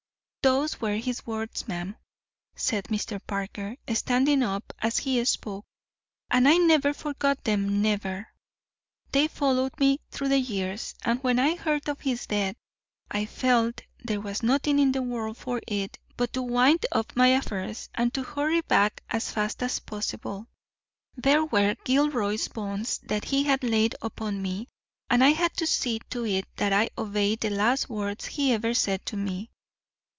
"Those were his words, ma'am," said Mr. Parker, standing up as he spoke, "and I never forgot them—never. They followed me all through the years; and when I heard of his death I felt there was nothing in the world for it but to wind up my affairs, and to hurry back as fast as possible. There were Gilroy's bonds that he had laid upon me, and I had to see to it that I obeyed the last words he ever said to me.